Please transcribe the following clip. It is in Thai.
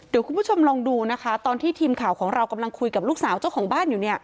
เดี๋ยวคุณผู้ชมลองดูนะคะตอนที่ทีมข่าวของเรากำลังคุยกับลูกสาวเจ้าของบ้านอยู่เนี่ย